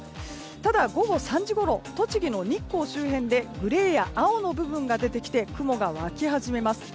ただ、午後３時ごろ栃木の日光周辺でグレーや青の部分が出てきて雲が湧き始めます。